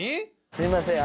すいません。